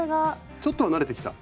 ちょっとは慣れてきた？